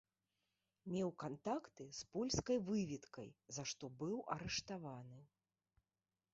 Меў кантакты з польскай выведкай, за што быў арыштаваны.